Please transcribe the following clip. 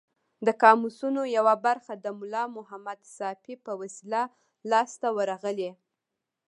د قاموسونو یوه برخه د ملا محمد ساپي په وسیله لاس ته ورغلې.